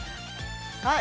◆はい？